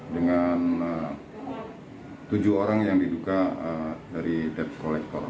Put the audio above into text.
dengan tujuh orang yang diduga dari debt collector